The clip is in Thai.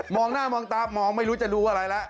หน้ามองตามองไม่รู้จะดูอะไรแล้ว